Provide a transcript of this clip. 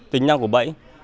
tính năng của bẫy